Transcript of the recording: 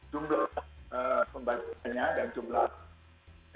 jumlah pembacaannya dan jumlah